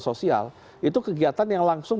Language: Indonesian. sosial itu kegiatan yang langsung